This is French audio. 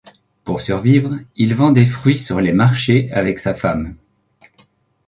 Pour survivre il vend des fruits sur les marchés avec sa femme.